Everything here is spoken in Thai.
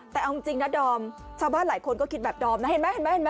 แต่เอาจริงนะดอมชาวบ้านหลายคนก็คิดแบบดอมนะเห็นไหมเห็นไหม